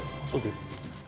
そうです。